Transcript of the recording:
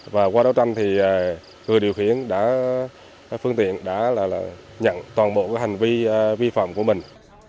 và qua đấu tranh thì người điều khiển đã phương tiện đã nhận toàn bộ hành vi vi phạm của mình